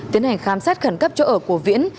tiến hành khám xét khẩn cấp chỗ ở của viễn